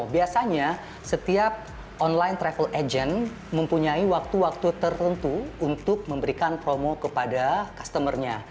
biasanya setiap online travel agent mempunyai waktu waktu tertentu untuk memberikan promo kepada customer nya